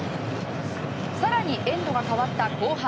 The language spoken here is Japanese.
更に、エンドが変わった後半。